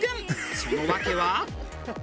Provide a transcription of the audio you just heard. その訳は。